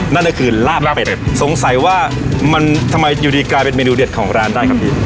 นั่นก็คือลาบเป็ดสงสัยว่ามันทำไมอยู่ดีกลายเป็นเมนูเด็ดของร้านได้ครับพี่